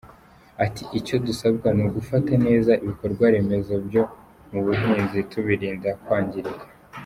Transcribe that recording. Ati “Icyo dusabwa ni ugufata neza ibikorwaremezo byo mu buhinzi tubirinda kwangirika.